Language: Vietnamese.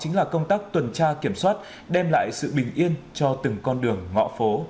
chính là công tác tuần tra kiểm soát đem lại sự bình yên cho từng con đường ngõ phố